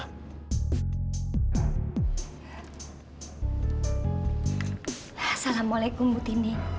assalamu'alaikum buti ini